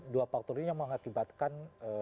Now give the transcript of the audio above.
dua faktor ini yang mengakibatkan